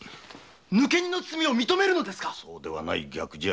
抜け荷の罪を認めるのですかその逆じゃ。